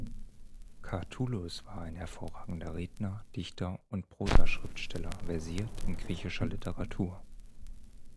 Catulus war ein hervorragender Redner, Dichter und Prosaschriftsteller, versiert in griechischer Literatur.